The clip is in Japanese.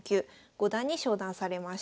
五段に昇段されました。